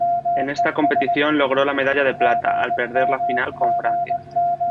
En esta competición, logró la medalla de plata, al perder la final con Francia.